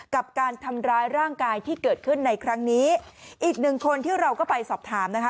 กับการทำร้ายร่างกายที่เกิดขึ้นในครั้งนี้อีกหนึ่งคนที่เราก็ไปสอบถามนะคะ